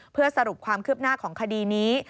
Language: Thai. เพื่อสรุปความคืบหน้าของคดีนี้